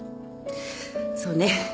そうね。